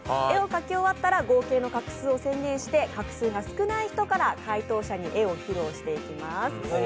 絵を描き終わったら合計の画数を宣言して画数が少ない人から回答者に絵を披露していきます。